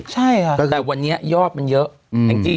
แต่วันนี้ยอบมันเยอะแห่งจีน